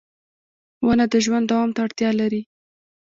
• ونه د ژوند دوام ته اړتیا لري.